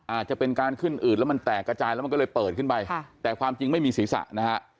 อาจจะเป็นการขึ้นอืดแล้วมันแตกกระจายแล้วมันก็เลยเปิดขึ้นไปแต่ความจริงไม่มีศีรษะนะฮะ